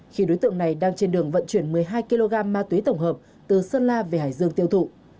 khi đối tượng này đang trên đường vận chuyển một mươi hai kg ma túy tổng hợp từ sơn la về hải dương tiêu thụ